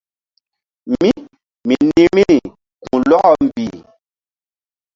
Mí mi nih vbi̧ri ku̧h lɔkɔ mbih.